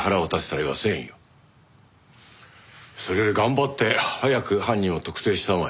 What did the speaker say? それより頑張って早く犯人を特定したまえ。